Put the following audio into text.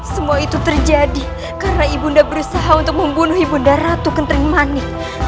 semua itu terjadi karena ibunda berusaha untuk membunuh ibunda ratu kentering mani